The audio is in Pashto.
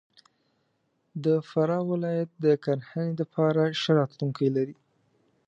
د فراه ولایت د کرهنې دپاره ښه راتلونکی لري.